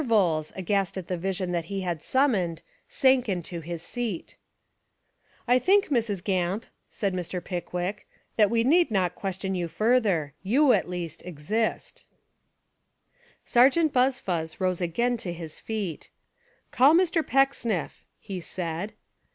Vholes, aghast at the vision that he had summoned, sank into his seat. "I think, Mrs. Gamp," said Mr. Pickwick, "that we need not question you further. You, at least, exist." 220 Fiction and Reality Sergeant Buzfuz rose again to his feet. "Call Mr. Pecksniff," he said.